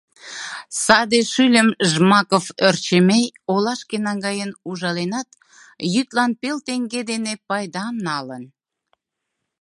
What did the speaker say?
Саде шӱльым Жмаков Ӧрчемей олашке наҥгаен ужаленат, йӱдлан пел теҥге дене пайдам налын.